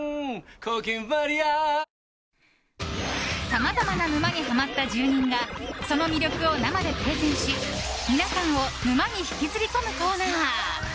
さまざまな沼にハマった住人がその魅力を生でプレゼンし皆さんを沼に引きずり込むコーナー。